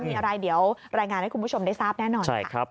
มีอะไรเดี๋ยวรายงานให้คุณผู้ชมได้ทราบแน่นอนค่ะ